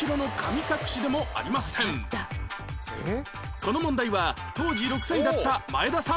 この問題は当時６歳だった前田さん